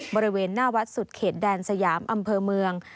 บริเวณหน้าวัดสุดเขตแดนสยามอำเภอเมือง